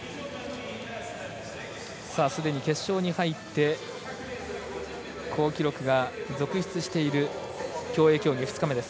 すでに決勝に入って好記録が続出している競泳競技２日目です。